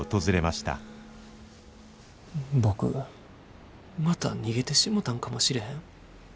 僕また逃げてしもたんかもしれへん。